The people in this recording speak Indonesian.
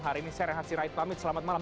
hari ini saya rehansi raid pamit selamat malam